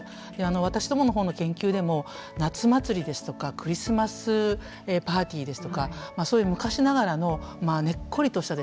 私どもの方の研究でも夏祭りですとかクリスマスパーティーですとかそういう昔ながらのねっこりとしたですね